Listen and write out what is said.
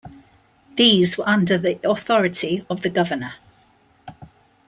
These were under the authority of the governor.